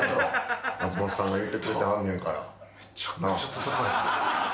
松本さんが言うてくれてはんねんから。